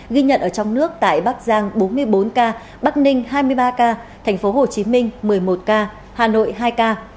ghi nhận ở trong nước tại bắc giang bốn mươi bốn ca bắc ninh hai mươi ba ca tp hcm một mươi một ca hà nội hai ca